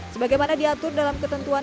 sebagaimana diatur dalam ketentuan